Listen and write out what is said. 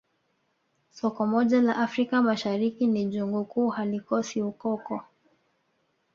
Soko moja la Afrika Mashariki ni jungu kuu halikosi ukoko